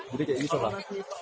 jadi kayak gitu lah